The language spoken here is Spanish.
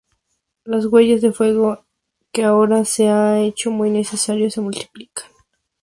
Las huellas de fuego, que ahora se ha hecho muy necesario, se multiplican.